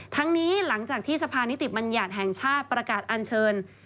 ทั้งนี้หลังจากที่สภานิติบัญญัติแห่งชาติประกาศอัญเชิญ